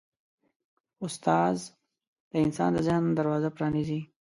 استاد د انسان د ذهن دروازه پرانیزي.